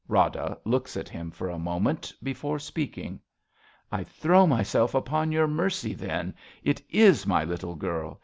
35 RADA Rada {looks at him for a Tnoment before speaking). I throw myself upon your mercy, then. It is my little girl.